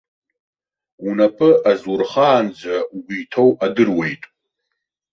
Унапы азурхаанӡа угәы иҭоу адыруеит.